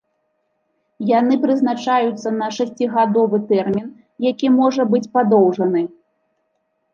Яны прызначаюцца на шасцігадовы тэрмін, які можа быць падоўжаны.